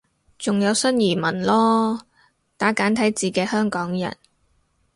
仲有新移民囉，打簡體字嘅香港人